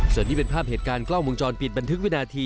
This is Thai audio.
ส่วนนี้เป็นภาพเหตุการณ์กล้องวงจรปิดบันทึกวินาที